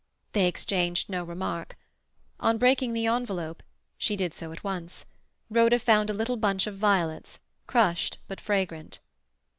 They exchanged no remark. On breaking the envelope—she did so at once—Rhoda found a little bunch of violets crushed but fragrant.